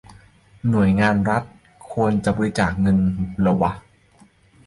หน่วยงานรัฐ ควรจะบริจาคเงินเหรอวะ ?